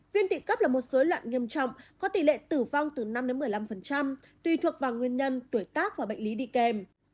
viêm tỷ cấp là một dối loạn nghiêm trọng có tỷ lệ tử vong từ năm một mươi năm tùy thuộc vào nguyên nhân tuổi tác và bệnh lý đi kèm